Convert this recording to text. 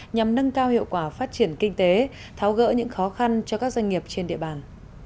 nhằm nâng cao hiệu quả phát triển kinh tế tháo gỡ những khó khăn cho các doanh nghiệp trên địa bàn